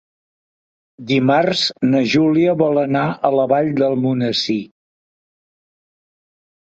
Dimarts na Júlia vol anar a la Vall d'Almonesir.